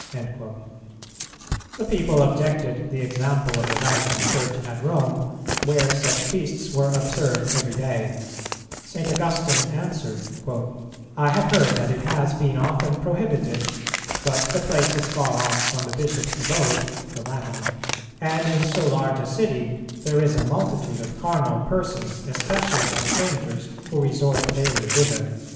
The people objected the example of the Vatican Church at Rome, where such feasts were observed every day; St. Augustine answered, "I have heard that it has been often prohibited, but the place is far off from the Bishop's abode (the Lateran), and in so large a city there is a multitude of carnal persons, especially of strangers who resort daily thither."